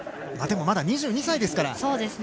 でも、まだ２２歳ですから。